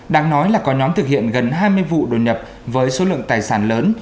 đáng nói là có nhóm thực hiện gần hai mươi vụ đột nhập với số lượng tài sản lớn